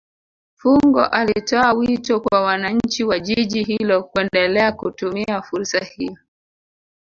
fungo alitoa wito kwa wananchi wa jiji hilo kuendelea kutumia fursa hiyo